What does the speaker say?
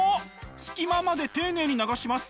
隙間まで丁寧に流します。